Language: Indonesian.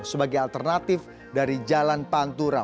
sebagai alternatif dari jalan pantura